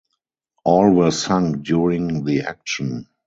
All were sunk during the action.